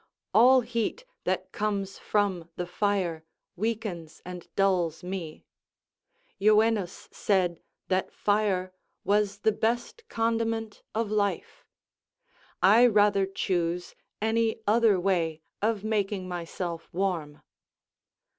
All heat that comes from the fire weakens and dulls me. Evenus said that fire was the best condiment of life: I rather choose any other way of making myself warm.